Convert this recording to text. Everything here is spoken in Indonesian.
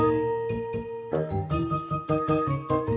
yang ini kugar